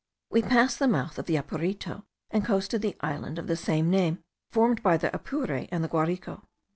We passed the mouth of the Apurito, and coasted the island of the same name, formed by the Apure and the Guarico.